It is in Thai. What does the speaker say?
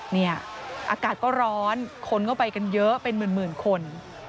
อากาศก็ร้อนคนก็ไปกันเยอะเป็นหมื่นคน